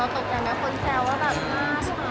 เห็นครับเห็นแล้วครับ